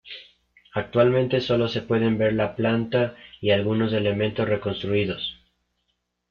Actualmente sólo se pueden ver la planta y algunos elementos reconstruidos.